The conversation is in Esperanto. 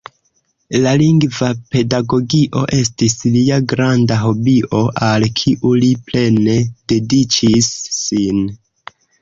La lingva pedagogio estis lia granda hobio, al kiu li plene dediĉis sin.